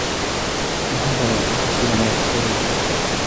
وحصل ما في الصدور